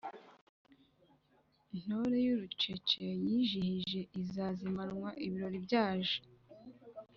Ntore iy'urucece yijihije Izazimanwa ibirori byaje!"